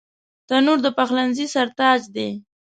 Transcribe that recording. تنور د پخلنځي سر تاج دی